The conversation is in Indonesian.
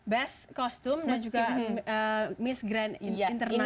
best kostum dan juga miss grand international